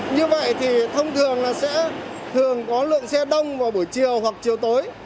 như vậy thì thông thường là sẽ thường có lượng xe đông vào buổi chiều hoặc chiều tối